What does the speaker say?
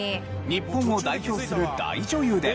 日本を代表する大女優で。